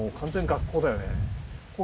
学校だよね。